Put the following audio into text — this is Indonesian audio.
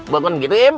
bukan begitu im